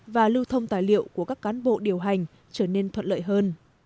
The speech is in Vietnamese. và lưu thông tài liệu của các cán bộ điều hành trở nên thuận lợi hơn